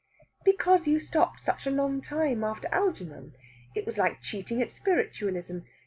"Because you stopped such a long time after Algernon. It was like cheating at Spiritualism.